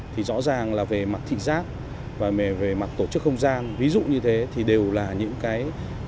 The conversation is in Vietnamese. thì rõ ràng là về mặt thị giác và về mặt tổ chức không gian ví dụ như thế thì đều là những cái